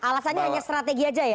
alasannya hanya strategi aja ya